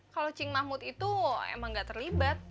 kalau cing mahmud itu emang gak terlibat